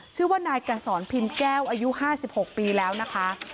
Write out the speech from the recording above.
ชื่อว่านายกระส่อนพิมพ์แก้วอายุห้าสิบหกปีแล้วนะคะ